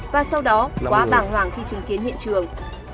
và sau đó quá bảng hoảng khi chứng kiến hiện trường